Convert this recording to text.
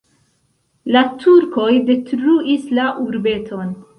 La turkoj detruis la urbeton.